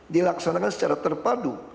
dilaksanakan secara terpadu